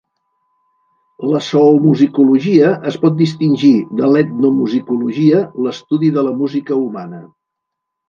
La zoomusicologia es pot distingir de l'etnomusicologia, l'estudi de la música humana.